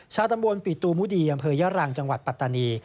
ชาวตำบลปิตุมุดีอำเภอยะรังจังหวัดปัตตานี